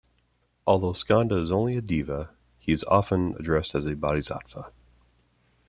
Although Skanda is only a deva, he is very often addressed as a bodhisattva.